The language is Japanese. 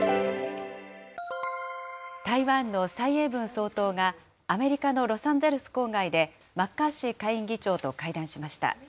台湾の蔡英文総統が、アメリカのロサンゼルス郊外でマッカーシー下院議長と会談しまし